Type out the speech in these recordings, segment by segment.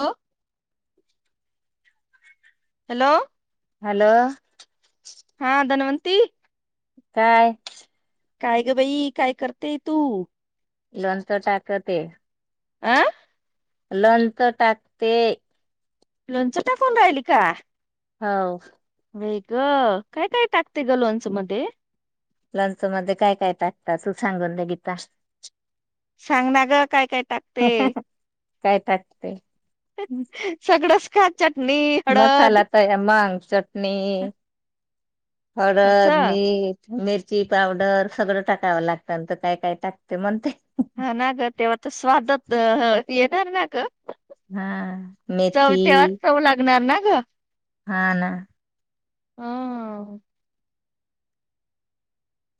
ह. Hello. Hello. हा धनवती काय? काय ग बाई काय करतेय तू लोन तर टाकते. आं. लोणच टाकते. लोंच टाकून राहिली का? हा. वेगं काय काय टाकते ग लोनच मध्ये लंच मध्ये काय काय टाकत तू सांगून बघीता सांग ना ग काय काय टाकते. काय टाकते. सगळंच खा चटणी हळद. त्या मग चटणी हळद असं मीट मिरची पावडर सगळं टाकावं लागतं नंत काय काय टाकते म्हणते. हा ना ग तेव्हा तर स्वादत येणार ना ग. हा मेथी. गन ना ग. हा ना. ह.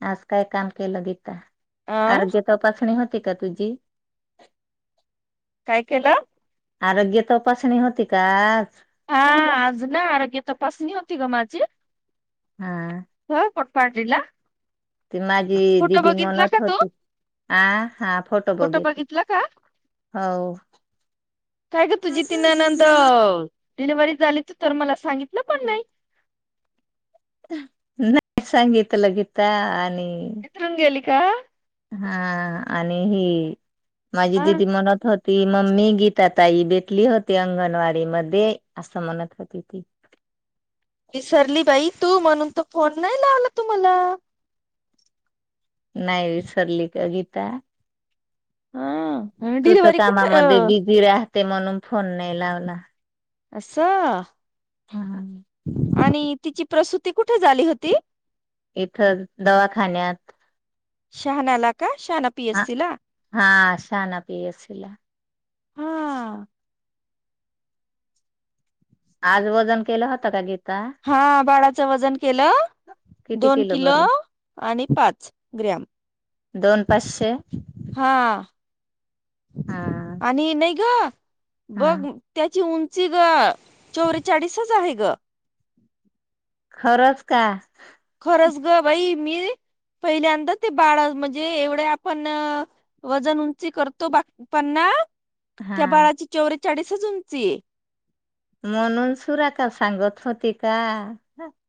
आज काय काम केलं गीता अर्ग्य तपासणी होती का तुझी? काय केलं? आरोग्य तोपणी होती काच हा आज ना आरोग्य तपासणी होती ग माझी हा. हो कोटपारलला. त माझी दिदी का म्हणत तू होती आ हा फोटो बघितच. बघितला का हो. काय का तुझी तिनानंत डिलिव्ही झालीच तर मला सांगितलं पण नाही. नाही सांगीितलं गीता आणि च रंग्याली का? हा आणि ही माझी हा दिदी म्हणत होत. ती मम्मी गीता ताई भेटली होती अंगणवाडी मध्ये असं म्हणत होती ती विसरली बाई तू म्हणून त फोन नाही लावला तु मला नाही वि सर्लीिक गीता हा तू तर डिलिव्हरी कुठ कामामध्ये बिझी राहते म्हणून फोन नाही लावला. असस. हा. आणि तिची प्रसुती कुठे झाली होती. इथं दवाखान्यात शहानलाख शहान ह हाशा ना पी एससीला हा. आज वजन केलं होतं का गीत हा बाळाचं वजन केलं किती दोन किलो भरलं आणि पाच ग्रॅम दोन पाचशे. हां. हा. आणि नाही ग हा बघ त्याची उंची ग चौवेेचाळीसच आहे ग. खरंच का? खरच ग भाई मी पहिल्यांदर ते बाळ म्हणजे एवढे आपण वजन उंची करतो बाकी पन्ना त्या हा बाळाची चवररे चाळीसच उंची म्हणून सुरा का सांगत होती का?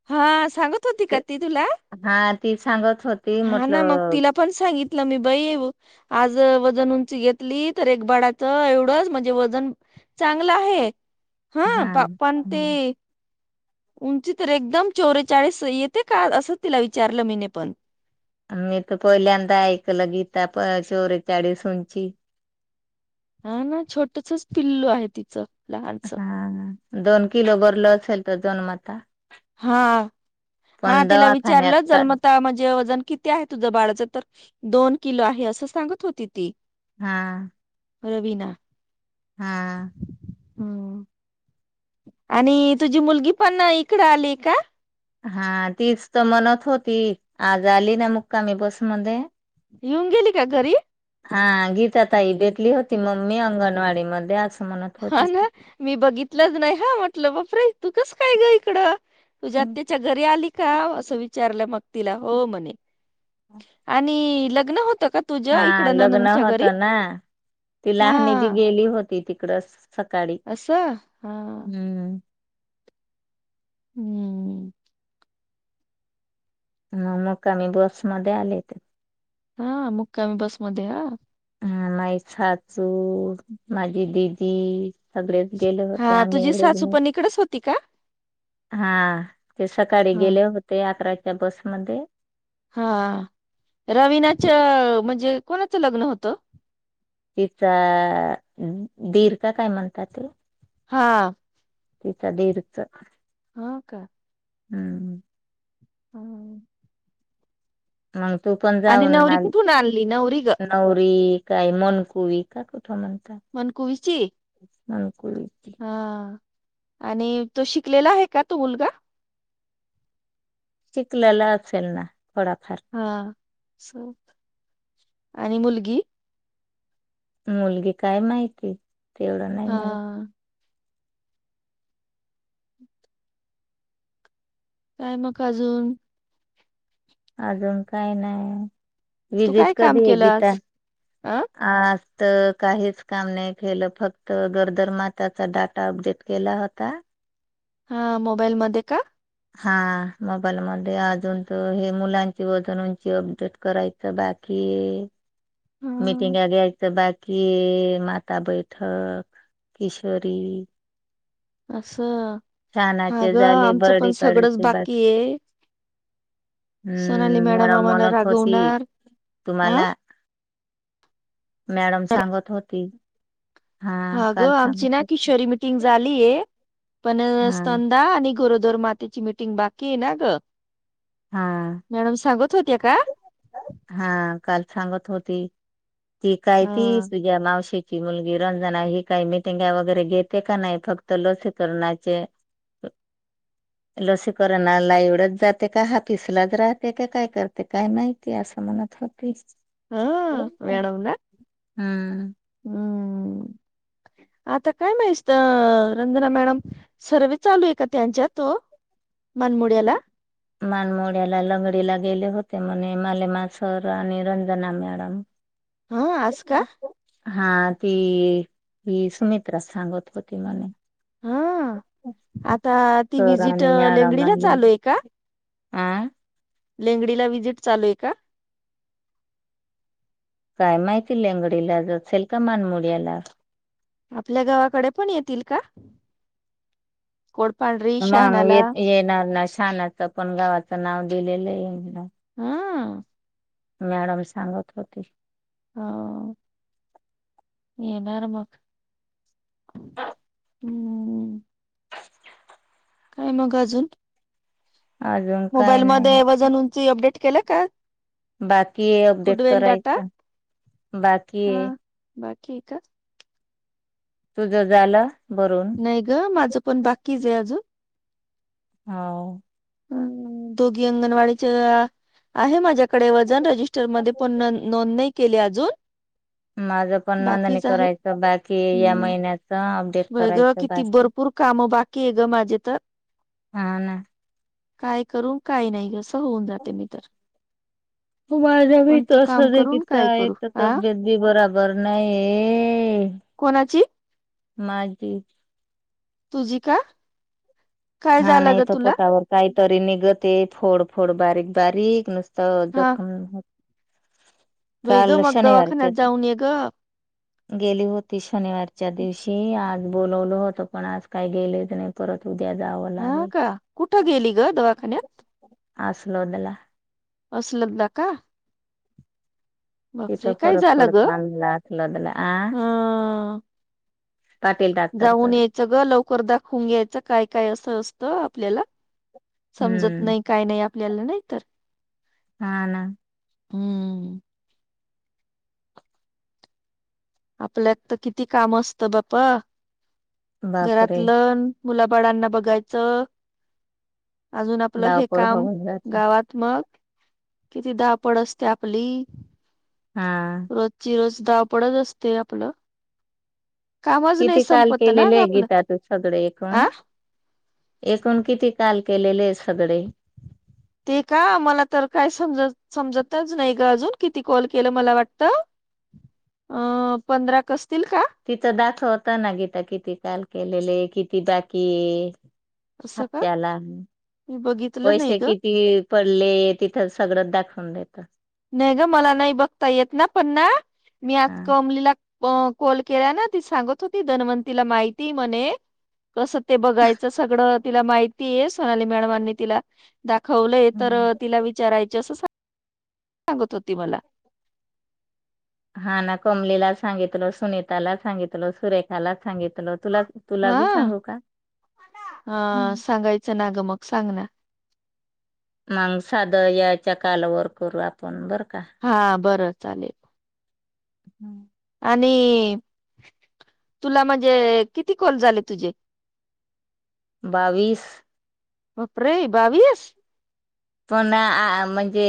हा सांगत होती का ते- ती तुला हा ती सांगत होती हा ना मग म्हटलं तिला पण सांगितलं मी बय येव. आज वजन उंची घेतली तर एक बाडाच एवढंच म्हणजे वजन चांगलं आहे हा पण त उंची तर एकदम चोरेचाळीस येते का असं तिला विचारलं मी पण मी तर पहिल्यांदा ऐकलं गीता चोरी चाळीसंची हा ना छोटसच पिल्लू आहे तिचं लहानस हा दोन किलो भरलो असेल तर दोनमात हा हा तिला विचारलं का जन्मता म्हणजे वजन किती आहे तुझ्या बाळाच तर दोन किलो आहे असं सांगत होती ती हा. रवीना हा हम्म. आणि तुझी मुलगी पण इकडं आली का? हा तीच तर म्हणत होती आज आली ना मुक्कामी बसमध्येध्ये हिुंगेली का घरी. हा गीता ताई भेतली होती मम्मी अंगणवाडी मध्ये अस. हा ना मी बघितलंच नाही हा म्हटलं बाप रे तू कस काय ग इकडं तुझ्या. त्याच्या घरी आली का असं विचारलं मग तिला हो म्हणे. आणि लग्न होतं का? तुझ्या हा इकडं लग्न ननंदच्या घरी होतं ना ती हा लहणी जी गेली होती तिकडचं सकाळी असं हा हम्म हम्म. म मग आम्ही बसमध्ये आले. हा मुक्कामी बसमध्ये हा. हम माई सासू माझी दिदी सगळेच गेले होते हा आम्ही तुझी सासू एवढेच पण इकडेच होती का हा ते सकाळी हा गेले होते अकराच्या बसमध्ये हा रविनाच म्हणजे कोणाचं लग्न होतं तिचा दीर काय म्हणतात हा. तिचा दिरच हा का हम्म. हम्म. मग तू पण आणि जाऊ नवरी ना कुठून आणली नवरी ग नवरी काय मनकुवी का कुठं म्हणतं मन कवीची हा मनकुवी हा आणि तो शिकलेला आहे का तू मुलगा शिकलेला असेल ना थोडाफार हा स आणि मुलगी मुलगी काय माहिती तेवढं नाही हा माहिती काय मग अजून? अजून काही नाही तू विजिट काय काम कधी आहे केलं गीता आज अ आ आज तर काहीच काम नाही केलं फक्त गरदरमाताचा डाटा अबडेट केला होता हा मोबाईलमध्ये का हा मोबाईल म अजून तर हे मुलांची वजन उची अपडेट करायची बाकी मिटिंग हा. घ्यायचं बाकी कि माता बैठक किशोरी असं हा छानाचे ग झाले आमचं पण बरडी सगळंच काढायचे बाकी ये सोनाली हम्म मॅडम आम्हाला म्हणत होती रागवणार हं तुम्हाला मॅडम सांगत होती हा काल गं आमची सांगत ना होती. किशोरी मिटिंग झालीय पण हा स्ंदा आणि गोरोदर मातेची मिीटिंग बाकी आहे ना ग...... हा मॅडम सांगत होत्या का हा काल सांगत होती ती काय हा ती तुझ्या मावशी. ची मुलगी रंजना ही काही मिटिंग वगैरे घेते का नाही फक्त लसकरणाचे. [inaudible] लसीकरणाला एवढच जाते. का हा हापिसलाच राहते का काय करते काय माहितीय असं म्हणत होते. हा वेड ना. हम्म. हम्म आता काय माहित रंजना मॅडम. सर्व चालू आहे का त्यांच्या तो मानमोड्याला मानमोड्याला लंगडीला गेले होते म्हणे मालेमा सर आणि रंजना मॅडम हा आज का? हा ती ही सुमित्रा सांगत होती मला हा आता ती सर विजिट आणि मॅडम लेंगडीला चालू लागलेली आहे का आ लेंगडीला व्हिजिट चालू आहे का? काय माहिती लंगडीला असेल कीं आपल्या गावाकडे पण येतील का? कोडपांढरी... मग शहानाला ये येणार ना शानाच पण गावाचं नाव दिलेलं ये ना. अ.. मॅडम सांगत होती. हा येणार मग. हम्म. काय मग अजून? अजून काय नाही मोबाईलमध्येध्ये वजन उंची अपडेट केलं का? बाकी ये अपडेट कुडवेल डाटा करायच.... बाकी हा आहे. बाकी हाय का? तुझं झाला भरून. नाही ग! माझं पण बाकीच आहे अजून. हो. हम दोघ आंगनवाडी च्या... आहे माझ्याकडे वजन रजिस्टर मध्ये पुन्हा नोंद केली अजून.. माझं पण नोंदणी बाकीच आहे करायचं बाकी या महिन्यात. व्हय ग किती भरपूर काम बाकी आहे ग माझे तर... हा ना काय करून काय नाही असं.. होऊन जाते मी तर त माझा भ कोणतं त काम असस करून किता काय आहे एक करू तर हा तब्येत बी बरोबर नाही ये... कोणाची? तुझी का? काय हा झालं नाही गं तर तुला? पोटावर काहीतरी निघते फोड फोड बारीक बारीक नुसतं जखम... व्हय ग काल मग शनिवारच्या दवाखान्यात जाऊन ये ग. गेली होती शनिवारच्या दिवशी आज बोलवलं होत पण आज काही गेले नाही परत.. उद्या जावं हा लागेल का कुठं गेली ग दवाखान्यात? अस असलोदला. असलम द का? बापरे तिथं काय फरक झालं ग पडत आमलातलदला आ... हा पाटील जाऊन डॉक्टरकडे यायचं ग लवकर दाखवून घ्यायचं काय काय असं असतं आपल्याला.. समजत हम्म नाही काय नाही आपल्याला नाही तर.. हा ना. हम्म. आपल्यात तर किती काम असतं बापा, बापरे घरातलंन... मुला बाळांना बघायचं अजून आपलं हे धावपळ काम होऊन जाते गावात... मग किती धावपळ असते आपली. हा.. रोजची रोज धाव पडत असते. आपलं.. कामच नाही किती कॉल संपत ना केलेले ग आहे. आपलं गीता तुझ्याकडे एकूण. आ एकूण किती काल केलेले आहे. सगळे? ते का मला तर काय समजत समजतच नाही ग अजून किती कॉल केलं मला वाटतं अ पंधरा कसतील का तिथं दाखवत ना किती काल केलेले किती बाकी ये असं का हप्त्याला मी बघितलं नाही पैसे ग किती पडले तिथं सगळंच दाखवून देत. नाही ग मला नाही बघता येत ना पण ना मी आज हा कमलीला.. अ कॉल केला ना ती सांगत होती धनवंतीला माहिती म्हणे.... कसं ते बघायचं सगळं तिला माहिती आहे. सोनाली मॅडमांनी तिला... दाखवलंय तर तिला विचारायचे असं सांगत होती. मला. हा ना कमलीला सांगितलं सुनीताला सांगितलं सुरेखाला सांगितलं तुला तुला बी हा सांगू का ह सांगायचं ना गं मग सांग ना मग साधं याच्या कालावर करू आपण बरं का हा बरं चालेल. हम्म आणि तुला म्हणजे किती कॉल झाले तुझे? बावीस बापरे बावीस पण म्हणजे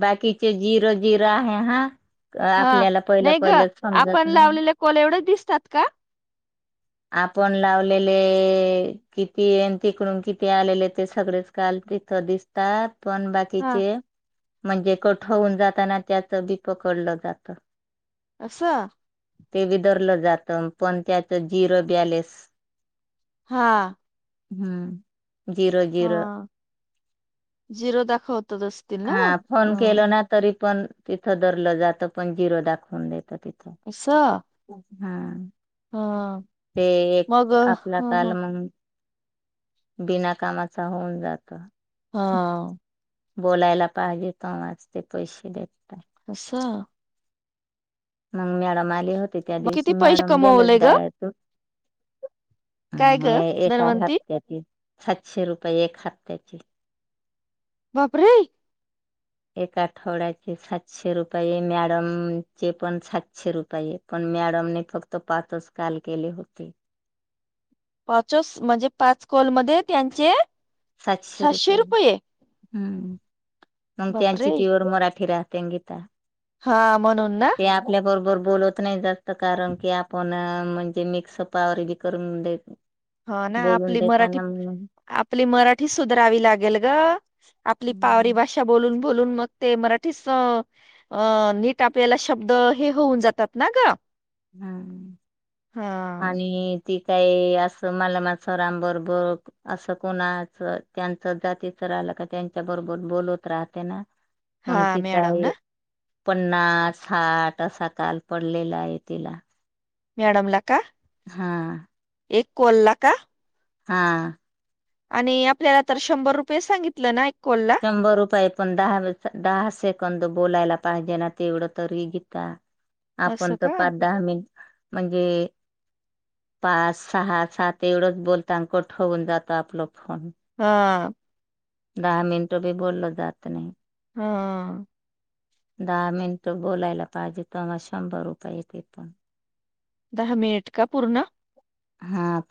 बाकीचे झीरो झीरो आहे हा हा आपल्याला पहिलं नाही ग पहिलंच समजत आपण नाही. लावलेले कॉल एवढीच दिसतात का? आपण लावलेले किती तिकडून किती आलेले ते सगळेच काल तिथं दिस दिसतात पण बाकी हा बाचे म्हणजे कट होन जाताना त्याच बी पकडलं जात. असं ते बी धरलं जातं पण त्याचं झिरो बॅलेस हा हम्म झिरो हा झिरो झिरो दाखवतो तसं हा फोन केल ना तरी पण तिथं धरलं जातं पण झिरो दाखवून देत तिथं असं हा हा ते एक मग आपला हं, काल हं, म्हणून बिना कामाचा होऊन जात. हो बोलायला पाहिजे पाहिजे तेव्हाच ते पैसे देतात. असं मग मॅडम आले होते त्या मग दिवशी किती पैसे मॅडम गेला कमवले ग काय ग एका धनवंती हप्त्याची सातशे रुपये एक हप्त्याची बापरे एका आठवड्याचे सातशे रुपये मॅडमचे पण सातशे रुपये पण मॅडमने फक्त पाचच काल केले होती. पाचस म्हणजे पाच कोलमध्ये त्यांचे सातशे रुपये मग हम्म त्यांची बापरे प्युअर मराठी राहते की. का? हा म्हणून ना. आपल्याबरोबर बोलत नाहीत जास्त कारण की आपण म्हणजे मिक्स पॉवरवर करून देत हा ना बोलून आपली मराठी देतना. आपली मराठी सुधारवी लागेल गआपली पावरी भाषा बोल बोलून मग ते मराठी साँग अं नीट आपल्याला शब्द हे होऊन जातात ना ग? हम्म हा. आणि ती काय असं मलमाचरांबरोबर असं कोणाचं त्यांच जातीचं राहिलं का त्यांच्या बरोबर बोलत राहते. ना [unintelligible] मग तिचा मॅडम ना एक पन्नास साठ असा काल पडलेला आहे तिल मॅडमला का? हा एक कोल्हा का? हा. आणि आपल्याला तर सांगितलं ना, एक कॉलला शंभर रुपये. शंभर रुपये, पण दहा दहा सेकंद बोलायला पाहिजे ना तेवढं तरी गीता. असं आपण तर का पाच, दहा मिनिट म्हणजे? पाच, सहा, सात एवढंच बोलत अन् कट होऊन जातो आपला फोन. हा! दहा मिनटं बी बोललं जात नाही. हम्म! दहा मिनटं बोलायला पाहिजे, तवा शंभर रुपये येते पण. दहा मिनिट का पूर्ण? हा!